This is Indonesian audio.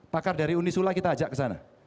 pakar dari unisula kita ajak ke sana